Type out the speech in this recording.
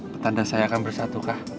petanda saya akan bersatukah